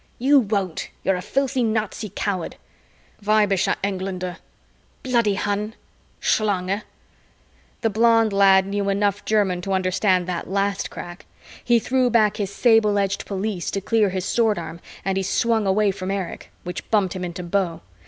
"You won't. You're a filthy Nazi coward." "Weibischer Engländer!" "Bloody Hun!" "Schlange!" The blond lad knew enough German to understand that last crack. He threw back his sable edged pelisse to clear his sword arm and he swung away from Erich, which bumped him into Beau.